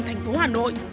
thành phố hà nội